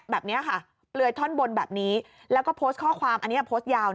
แบบนี้ค่ะเปลือยท่อนบนแบบนี้แล้วก็โพสต์ข้อความอันนี้โพสต์ยาว